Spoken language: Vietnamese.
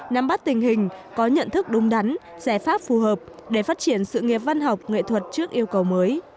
nắm bắt tình hình có nhận thức đúng đắn giải pháp phù hợp để phát triển sự nghiệp văn học nghệ thuật trước yêu cầu mới